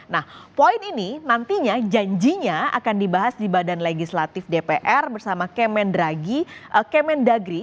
nah poin ini nantinya janjinya akan dibahas di badan legislatif dpr bersama kemendagri